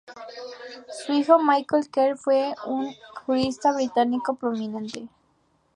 Su hijo Michael Kerr fue un jurista británico prominente.